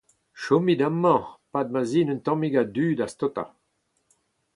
Chomit amañ e-pad ma'z in un tammig a-du da staotañ.